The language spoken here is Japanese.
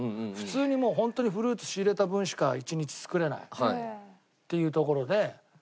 普通にもう本当にフルーツ仕入れた分しか１日作れないっていう所で。